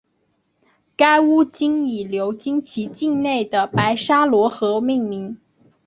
该巫金以流经其境内的白沙罗河命名。